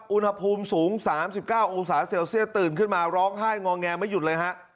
อุณหภูมิสูง๓๙องศาเซลเซียสตื่นขึ้นมาร้องไห้งอแงไม่หยุดเลยฮะ